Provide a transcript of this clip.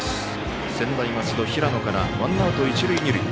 専大松戸、平野からワンアウト、一塁二塁。